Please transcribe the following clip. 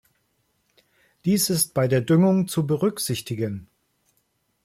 Dies ist bei der Düngung zu berücksichtigen.